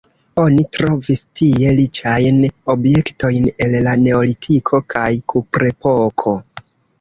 Oni trovis tie riĉajn objektojn el la neolitiko kaj kuprepoko.